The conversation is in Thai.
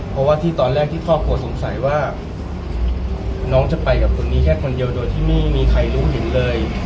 เพราะว่าที่ตอนแรกที่ครอบครัวสงสัยว่าน้องจะไปกับคนนี้แค่คนเดียวโดยที่ไม่มีใครรู้เห็นเลย